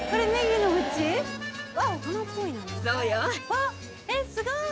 わっえっすごい。